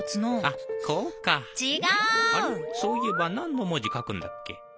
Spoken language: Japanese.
そういえば何の文字書くんだっけ？